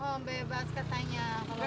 iya bebas katanya